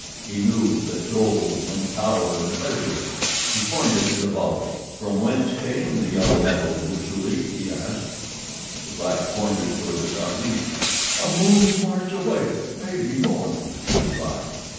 He knew that gold meant power and pleasure. He pointed to the bauble. "From whence came the yellow metal, Busuli?" he asked. The black pointed toward the southeast. "A moon's march away—maybe more," he replied.